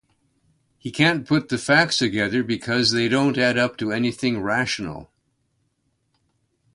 He can't put the facts together because they don't add up to anything rational.